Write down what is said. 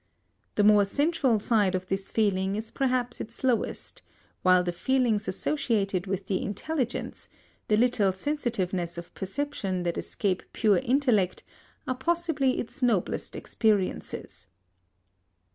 The more sensual side of this feeling is perhaps its lowest, while the feelings associated with the intelligence, the little sensitivenesses of perception that escape pure intellect, are possibly its noblest experiences.